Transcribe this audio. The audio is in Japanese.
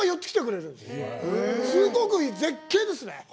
すごくいい、絶景ですね。